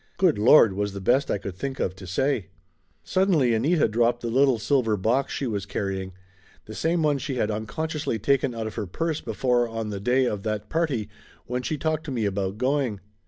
"Good Lord !" was the best I could think of to say. 138 Laughter Limited 139 Suddenly Anita dropped the little silver box she was carrying the same one she had unconsciously taken out of her purse before on the day of that party, when she talked to me about going.